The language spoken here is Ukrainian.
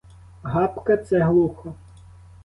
Гапка — це глухо.